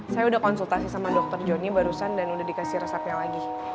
saya udah konsultasi sama dokter johnny barusan dan udah dikasih resepnya lagi